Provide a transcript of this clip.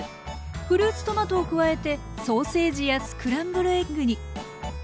フルーツトマトを加えてソーセージやスクランブルエッグに。